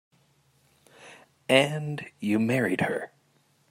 And you married her.